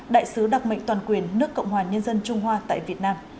đại sứ đặc mệnh toàn quyền nước cộng hòa nhân dân trung hoa tại việt nam